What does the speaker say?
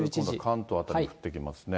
今度は関東辺り降ってきますね。